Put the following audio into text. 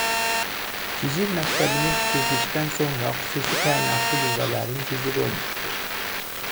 Gizir məktəbinə bitirdikdən sonra Xüsusi Təyinatlı Qüvvələrin giziri olmuşdur.